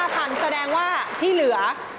ทันแสดงว่าที่เหลือ